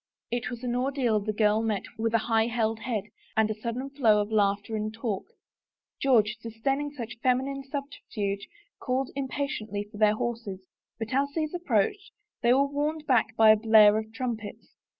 It was an ordeal the girl met with a high held head and a sudden flow of laughter and talk. George, dis daining such feminine subterfuge, called impatiently for their horses, but as these approached, they were warned back by a blare of trumpets.